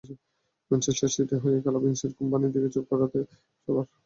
Manchester সিটির হয়ে খেলা ভিনসেন্ট কম্পানির দিকে চোখ রাখতে হবে সবার।